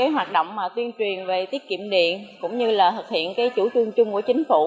hoạt động tuyên truyền về tiết kiệm điện cũng như thực hiện chủ trương chung của chính phủ